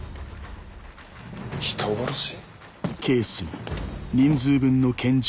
人殺し？